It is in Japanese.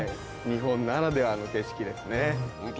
日本ならではの景色ですね。